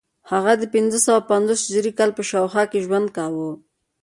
هغه د پنځه سوه پنځوس هجري کال په شاوخوا کې ژوند کاوه